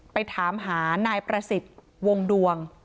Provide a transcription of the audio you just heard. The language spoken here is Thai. ไปถามหานายประสิทธิ์วงดวง